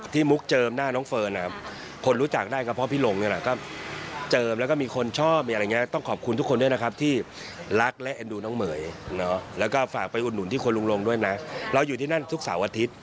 ที่มุกเจิมหน้าน้องเฟิร์นนะครับคนรู้จักได้กับพ่อพี่ลุงเนี้ยล่ะ